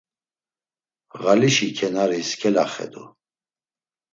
Ğalişi kenaris kelaxedu.